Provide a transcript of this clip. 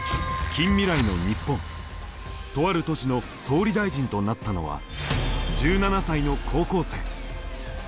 とある都市の総理大臣となったのは１７才の高校生。